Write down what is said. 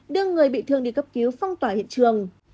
đưa người bị thương đi cấp cứu phong tỏa hiện trường